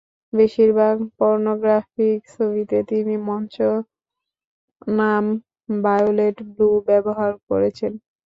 বেশিরভাগ পর্নোগ্রাফিক ছবিতে তিনি মঞ্চ নাম ভায়োলেট ব্লু ব্যবহার করেছেন।